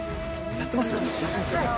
やってますよね？